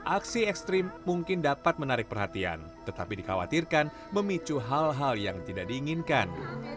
aksi ekstrim mungkin dapat menarik perhatian tetapi dikhawatirkan memicu hal hal yang tidak diinginkan